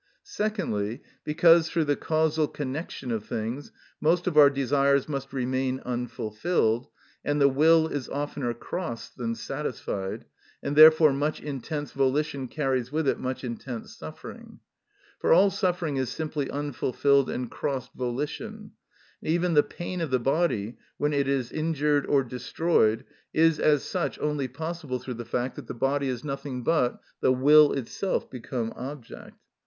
Secondly, because, through the causal connection of things, most of our desires must remain unfulfilled, and the will is oftener crossed than satisfied, and therefore much intense volition carries with it much intense suffering. For all suffering is simply unfulfilled and crossed volition; and even the pain of the body when it is injured or destroyed is as such only possible through the fact that the body is nothing but the will itself become object.